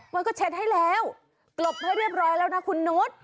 มันก็เช็ดให้แล้วกลบให้เรียบร้อยแล้วนะคุณนุษย์